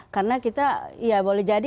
karena kita ya boleh jadi